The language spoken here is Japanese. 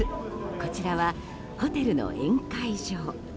こちらはホテルの宴会場。